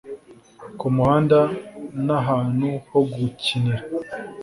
kumuhanda n'ahantu ho gukinira